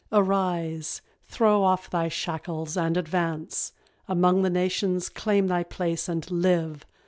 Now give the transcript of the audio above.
Arise, throw off thy shackles and advance Among the nations claim thy place, and live!